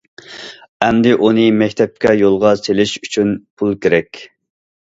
ئەمدى ئۇنى مەكتەپكە يولغا سېلىش ئۈچۈن پۇل كېرەك.